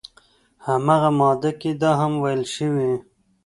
همغه ماده کې دا هم ویل شوي